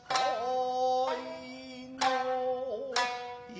はい。